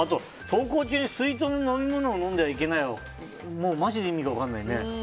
登校中に水筒の飲み物を飲んではいけないはマジで意味が分からないね。